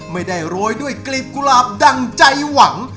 ไม่ได้โรยด้วยกลีบกุหลาบดั่งใจหวัง